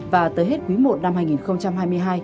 và tới hết quý i năm hai nghìn hai mươi hai